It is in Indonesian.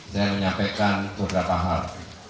saya menyampaikan beberapa hal